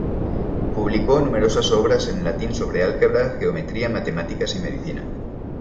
Publicó numerosas obras en latín sobre álgebra, geometría, matemáticas y medicina.